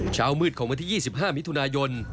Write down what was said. เช้ามืดของวันที่๒๕มิถุนายน